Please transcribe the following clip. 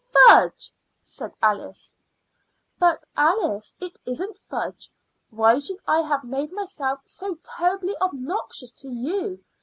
"Fudge!" said Alice. "But Alice, it isn't fudge. Why should I have made myself so terribly obnoxious to you?